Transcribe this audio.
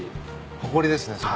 誇りですねそれ。